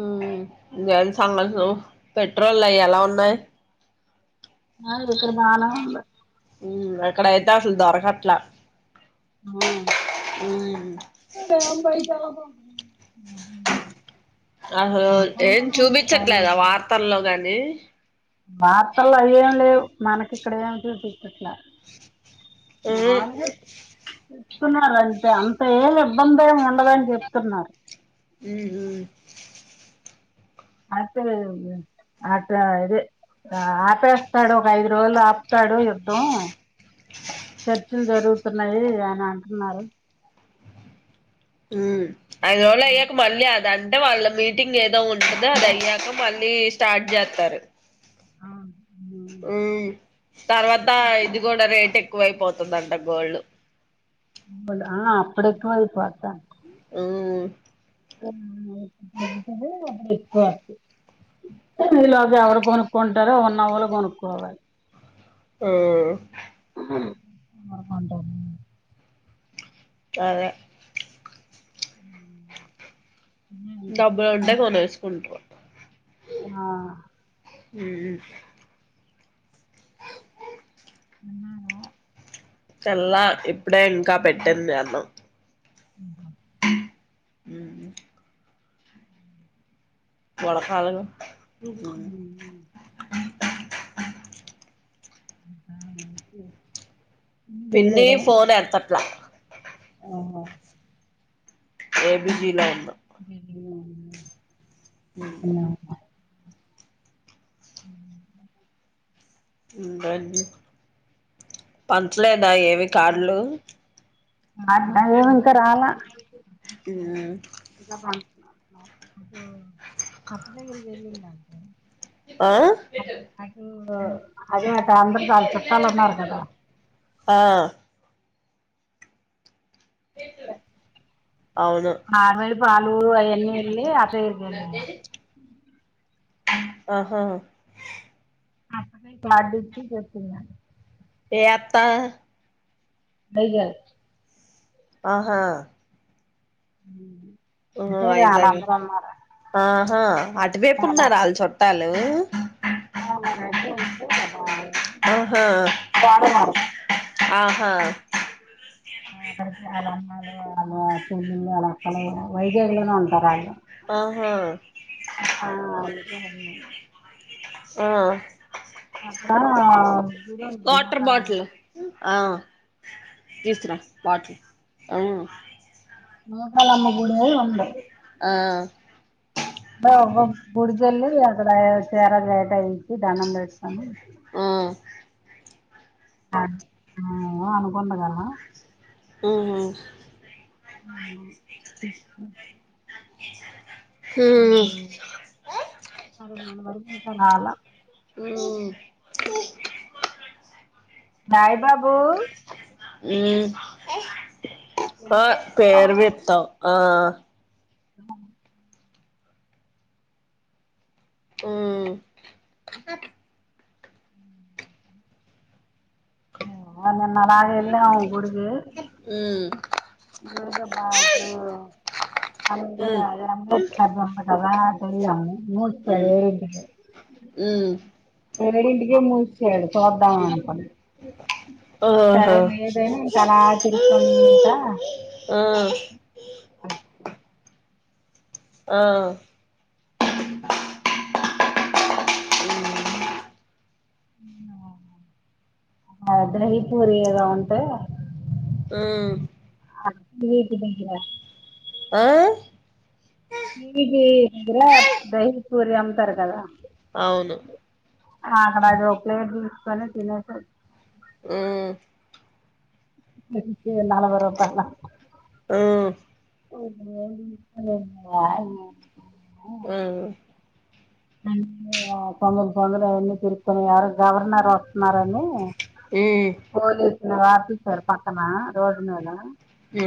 ఉహ్మ్ ఇంగ్ ఏం సంగత్లు పెట్రోల్ల ఎలా ఉన్నాయ్. [unintelligible] ఇప్పుడు వాళ ఉళ ఉమ్ అక్కడైతే అసలు దొరకట్లా. ఉమ్ [unintelligible] అసలు ఆ ఏం చూపించట్లేదా వార్తల్లో గాని [inaudible] వార్తల్ల అయేం లేవ్. మనకి ఇక్కడ ఏం చూపింట్ల ఉహు మాగ్ జెప్ చెప్తున్నారు అంట. అంటే ఇబ్బందేం ఉండదని చెప్తున్నారు. ఉమ్ హు [unintelligible] అట్ట ఇదే ఆపేస్తాడు ఒక ఐదు రోజులు ఆప్తాడు యుద్ధం. చర్చిలు జరుగుతున్నాయి అని అంటున్నారు. ఉహ్మ్ ఐదు రోలయ్యాక మల్లి అదాంత్ టే వాళ్ళ మీటింగ్యిత్ ఉంటదొ అదయ్యాక మ ల్లి స్టార్ట్ జెత్తరు. అవున్ ఉహ్ అహ్ తర్వాత ఇది గూడా రేట్ ఎక్ ఎక్కువైపోతుందంట గోల్డ్ ఉమ్ గోల్డ్. ఆ అప్పుడెక్కువయిపోదంత ఉహ్ అప్పుడు [unintelligible] ఎక్కువ ఈలోగ్ ఎవరు కొనుక్కుంటారో ఉన్న వాళ్ళ కొనుక్కోవాలి. ఆహ్ ఉమ్ మనం [unintelligible] అదే డబ్బులుంటే కొనెస్ కొంటువుంట ఆ మ్మ్ [unintelligible] తెల్లా ఇప్పుడే ఇంకా పెట్టింది అన్నం ఉహ ఉ [unintelligible] [inaudible] [unintelligible] పని చేయలేదా ఫోన్ ఎత్తట్ల [unintelligible] ఏ బి జిలా ఉన్న గేంజీ [unintelligible] ఉహ్ హు ఉహ్మ్ ఉండండి పంచలేదా ఏవి కార్డ్లు మైబాదు ఇంకా రాలా [inaudible] [unintelligible] [unintelligible] ఆ పెట్టాలన్నారు కదా ఆ అవును ఆర్నెల్ల పాలు అయన్ని వెళ్ళ [unintelligible] ఆహ [unintelligible] ఏ అత్త [unintelligible] ఆహా ఉ ఆ వైజాగ్ ఆహా అటువేపు ఉన్నారు వాళ్ళు చుట్టాలు హలో ఆహా [unintelligible] వాడ మారడు ఆహా అక్కడిక వాళ్ళ అమ్మాలు వాళ్ళు చెల్లుళ్ళు వాళ్ళక్కలు వైజాగ్లోనే ఉంటారు వాళ్ళు ఆహా ఆ ఆ అక్కడ గుడి ఉంది వాటర్ నూకాలమ్మ బాటిల్ ఆ తీసుకురా బాటిల్ ఆ నూకలమా గుడి ఉంది ఆ గుడికెళ్ళి అక్కడ చీర జాకెట్ ఇచ్చి దండం పెట్టుకోని ఆ అనుకుండ అలా హ్మ్ అ హ్మ్ అదే మన వరకు ఇంకా రాలా హ్మ్ బాయి బాబూ హ్మ్ ఆ పేరు చెప్తావ్ ఆ మ్మ్ [unintelligible] వెళ్ళేం గుడికి మ్మ్ [unintelligible] అటెళ్ళి హ్మ్ ఆడనీ మ్యూట్ హ్మ్ పడే ఉంటది హ్మ్ తొమ్మిదింటికే మూసేసాడు చూద్దాం అనుకోండి ఆహా సరే లేదని ఇంకా అలా తిరుక్కుంటా ఆ ఆ ఆ దహి పూరీ ఏదో ఉంటే హ్మ్ వీటి దగ్గర ఆ [unintelligible] పూరి అమ్ముతారు కదా అవును అక్కడ చాక్లెట్ తీూసుకొని తినేసచ్చ ఆ అ ఏ నల వరుపాల హ్మ్ హ్మ్ తొందరు తొందర అవన్నీ తిరుకొని యావేరో గవర్నర్ మరనిలీ ఇ వార్టీ సార్ పక్కన రోడ్ద హ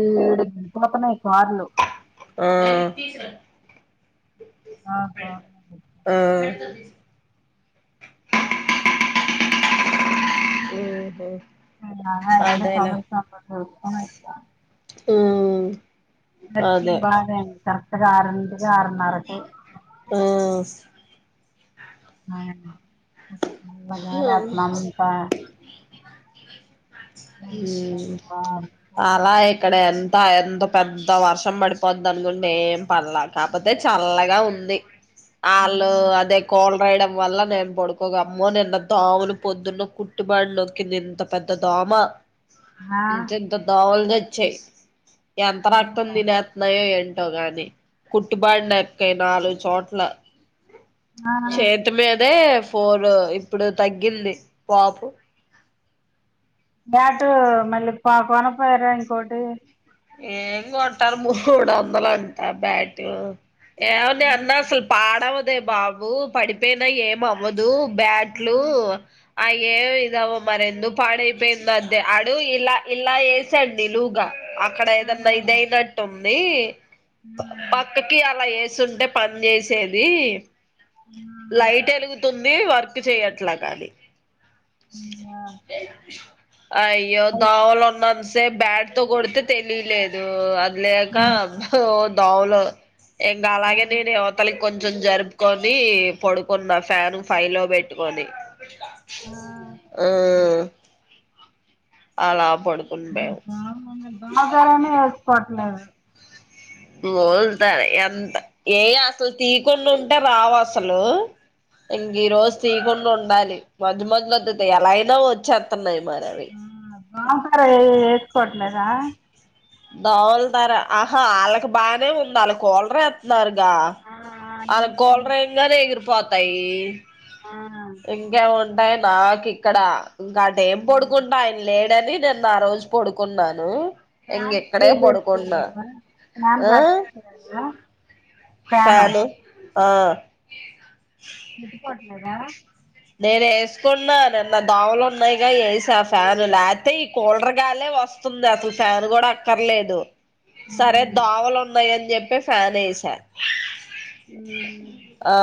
ఏడు పాపన ఎకు మార్లు ఆ ఆ ఓహో నా ఎంత సంవత్సరం నుండి వచిన ఇ ఆ ర్ బాగా అంత రాండి ఆరన్నర్ర కే ఆ ఆవును గాలలకు ఉమ్ మంటా అలా ఇక్కడ ఎంత ఎంత పెద్ద వర్షం పడిపోది అనుకుంటే ఏం పర్ల కాకపోతే చల్లగా ఉంది ఆళ్ళు అదే కోల్ పెయడం వల్ల నేను పడుకో అమ్మో నిన్నంత దోమలు పొద్దున్న కుట్టుబాడి నొక్కింది ఇంత పెద్ద దోమ ఇంతింత దోమలు తె చ్చే ఎంత రక్తం తినేతున్నాయో ఏం ఏంటో గాని కుట్టుబాడి నాక్కైనా ఆలో చోట్ల చేత మేతే ఫోర్ ఇప్పుడు తగ్గింది పాపు యాటు మళ్ళీ పా కొన పోయరా ఇంకోటి ఏం కొంటారు మూడు వందలు అంట బ్యాటి ఏవది అన్న సుల్ పాడవద్ అదే బాబు పడిపోయినా ఏం అవ్వదు బ్యాట్లు అ ఏమి ఇదవ్వు మరి ఎందుకు పాడైపోయిందో అదే అడు ఇలా ఇలా ఏసాడు నిలువుగా అక్కడ ఏదన్నా ఇదయినట్టు ఉన్ ది పక్కకి అలా ఏస్ స్తుంటే పని చేసేది లైట్ ఎలుగుతుంది వర్క్ చేయట్లాగాని అయ్యో దోమలు ఉన్న స బ్యాడ్ తో కొడితే తెలియలేదు అ లేక హో దోమలు ఎం గాల ఇగ నీను ఇవతలికి కొంచెం జరుపుకొని పడుకున్న ఫ్యాన్ ఫైవ్ లో పెట్టుకొని ఆ అలా పడుకుని మేము బగర బాగరేనే వేసుకోవట్లేదు మోలుతారు ఎంత ఏ అసలు తీయకుండా ఉంటే రావు అసలు ఇంగ ఈరోజు తీకుండ ఉన్ ఉండాలి మధ్య మధ్యలో అ ఎలాయినా వచ్చేత్తన్నాయి బాకార ఎస్కో లద దోవలెతేరా ఆహా వాళ్ళకి బాగానే ఉంది వాళ్ళ కోలర్ ఎతన్నారు ఆ అల్ నీకు కోల్ర్ ఇయ్యంగానే ఎగిరి పొ అయ్యి ఆ భయ నాకు ఇక్కడ ఇంకాంట ఏం ఆ. పడుకుంటా ఆయన లేడని నేను నా రోజు పడుకున్నాను ఇంక ఇక్కడే పడుకున్నా [inaudible] సాలు ఆ మీకు ప లేదా నేను వేసుకున్నా నిన్న దోమలు ఉన్నాయిగా వేస ఆ ఫ్యాన్ లేకతే ఈ కూలర్ గాలే వస్తుంది అసలు ఫ్యాన్ కూడా అక్కర్లేదు సరే ఉమ్. దావలు ఉన్నాయని చెప్పి ఫ్యాన్ ఎస ఉమ్. ఆ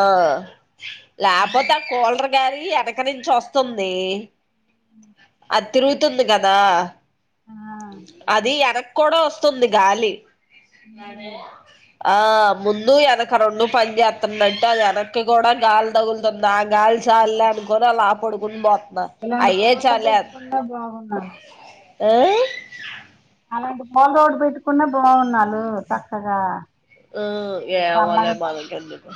లేపోతే కోల్ర్ గాలి ఎనక నుంచి వస్తుంది అ అది తిరుగుతుంది కదా అది వెనక్ కూడా వస్తుంది గాలి ఉమ్. ఆ ముందు వెనక రెండు పని చేస్తుందింటే అ వెనక్ కూడా గాలి తగులుతుంది ఆ గాలి చాల అనుకొని అలా ఆ పడుకుని పోతుంది ఇలాంటి పోన్లు పెట్టుకున్న బాగున్నాది ఆ [unintelligible] బాల్ రోడ్ పెట్టుకున్న బాగున్నాది ఆ ఏమోలే చల్లగా మనకు ఎందుకు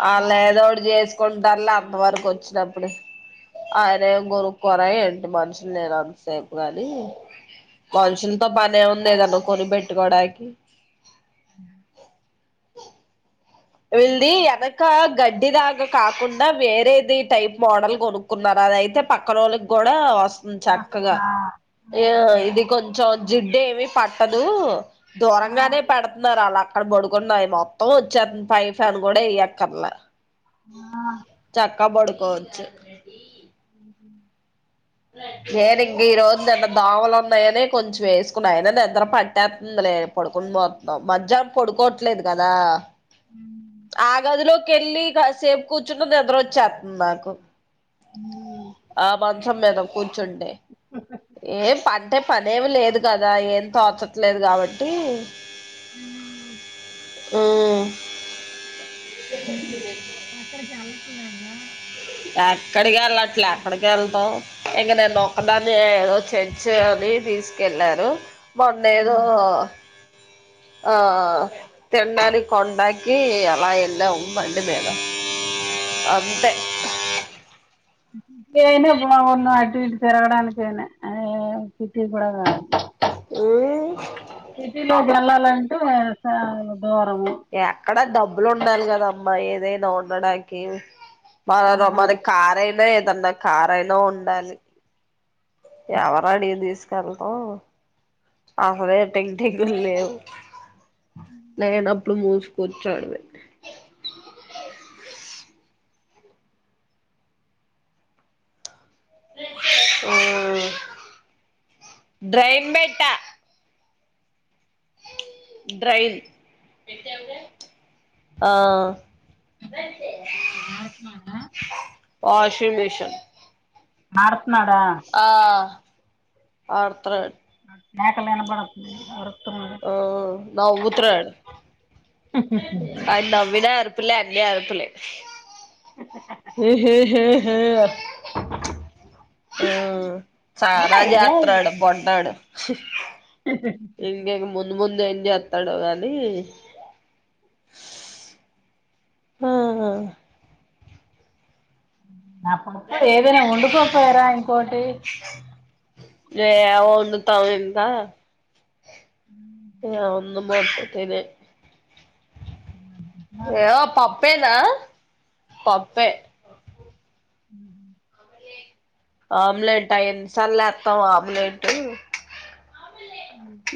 వాళ్ళు ఏదోటి చేసి కొండర్లు అంతవరకు వచ్చినప్పుడు ఆయన ఏం కొరుక్కోరా ఏంటి మనుషులు లేనంతసేపు కాని మనుషుల్ తో పనే ఉంది గను కోని బెట్టు కోడానికి ఉం విల్ది అదొక గడ్డి దగా కాకుండా వేరేది టైప్ మోడల్ కొనుక్ కున్నారు అయితే పక్కనా వోళ్ళకి కూడా చక్కగా ఇది కొంచం జిడ్డు ఏమి పట్టదు దూరంగానే పేడుతున్నారు అలా అక్కడ పడుకున్నాయి మొత్తం వచ్చారు ఫై ఫ్యాన్ కూడా వేయక్కరలే చా కబోడ్డు కోవచ్చు ఉహు నను ఇంక ఈ రోజు నిన్న దోమలు ఉన్నాయని కొంచెం వేసుకున్నా అయన నిదర పట్టేస్తుందిలే పడుకుని పోతున్నాం మధ్యన పడుకోవట్లేదు కదా ఆ గదులో వే కాసేపు కూర్చుంటే నిద్ర వచ్చేస్తుంది నాకు ఆ బ సమ్మమెధాం కొ చెండే ఎమ్ పని అంటే పనేమి లేదు కదా ఏం తోచట్లేదు కాబట్టి హుమ్ హూ ఎక్కడ చాల లేదా ఎక్కడికి వెళ్ళట్లే ఎక్కడికి వెళ్తాం, ఇంక నేనుొక్కదాన్నీ ఏదో చర్చ్ అని తీసుకెళ్ళారు మొన్నేదో ఆ తిన్ డానికి కొండకి అలా వెళ్ళాం బండి మీద అంతే పోయిన్నా బాగుండు అటు ఇటు తిరగడానికైనా హే సిటీ కూడా కాద్ సిటీ లోకి వెళ్ళాలన్ [unintelligible] ఎక్కడా డబ్బులు ఉండాలి కదామ్మా ఏదైనా లో ఉండడానికి ఆ. [unintelligible] మరి కారు అయిన [unintelligible] కారు అయిన ఉండాలి ఎవరు అడిగింది ళ్తల్ గో [unintelligible] ల లేవ్ నేన్ అప్పుడు మూ స్ కూర్చోడమే హూ డ్రైన్ బెట్టా డ్రైల్ ఆ ఆ షూమి క్షన్ మార్ ఆ ఆర్త్ర మేకలా ఇనబడుతుంది ఆర్ హూ నవ్వుతున్నాడ్ అయి నవ్వినా ఆర్ పూలే అన్నీ అరుపులే ఏ హే హే హే హా ఆ చానా ఏంటయ్యా ఇది? జయాత్రడు బొడ్డోడు ఇంగేం ముందు ముందు న్ జెత్తాడో గానీ ఆ హా నాప్పుప్పుడు ఏదైనా వండుకోకపోయారా ఇంకోటి ఏ వండుతావ్ ఇంకా ఉ ఇగ వందు ముత్తది ఇదే ఏయో పప్ పప్పునా? పప్పే ఉ ఆమ్లెట్ అ ఎన్సాల్ లేత్తాం ఆమ్లెట్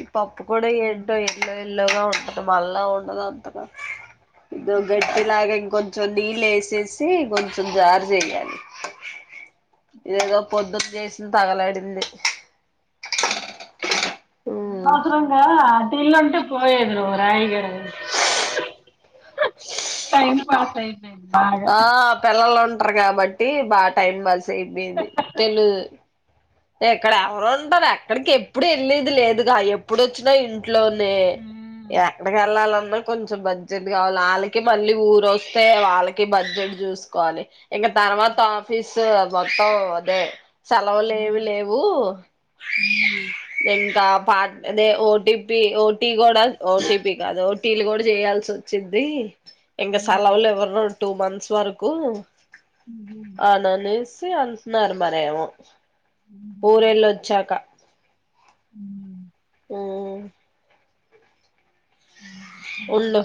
ఇప్పు అప్పు కూడా కూడా ఏంటో ఎ ఇల్లుగా ఉంటది మళ్ళా ఉండదు అంతగా ఇది గట్టిలాగ ఇంకొంత కొంచెం నీళ్ళు ఏసేసి కొంచెం జారు చేయాలి ఇదగో పొద్దున చేసింద్ తగలడింది నవసరంగా ఇల్లుంటే పోయేది నువ్వు రాయిగడ టైం పాస్ అయి ఆ పిల్ల లోం న్ టార్ కాబట్టి బా టైం పాస్ అయిపోయింది తెలు ఎక్కడ ఎవరు ఉంటారు ఎక్కడికి ఎప్పుడు వెళ్ళది లేదుగా ఎప్పుడు వచ్చినా ఇన్ ట్లోనే ఎక్కడికి వెళ్ళాలన్ కొంచెం బడ్జెట్ కావాల వాళ్ళకి మళ్ళీ ఊరు వస్తే, వాళ్ళకి బడ్జెట్ చూసుకోవాలి. ఇంకా తర్వాత ఆఫీస్ మొత్తం అదే. సెలవులేవు ఏవూ ఎ ఇంకా పా అదే ఓటీపీ ఓటీ కూడా ఓటీపీ కాదు ఓటీలు కూడా చేయాల్స్ ఒచ్చిది ఎంగ సలవులు ఎవ టూ మంత్స్ వరకు అననుస్ అన్నారు మారే ఊరేళ్ళొచ్చాక ఉ ఉళ్లొ